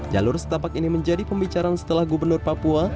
jalur setapak ini menjadi pembicaraan setelah gubernur papua